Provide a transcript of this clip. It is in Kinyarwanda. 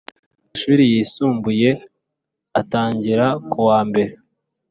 amashuri yisumbuye atangira ku wa mbere